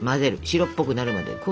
白っぽくなるまで。